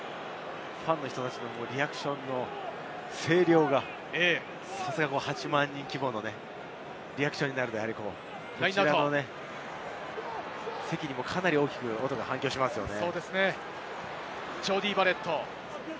ファンの人たちのリアクションの声量が、さすが８万人規模のリアクションになると、こちらの席にもかなり大きく反響しますね。